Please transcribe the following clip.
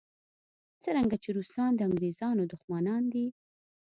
څرنګه چې روسان د انګریزانو دښمنان دي.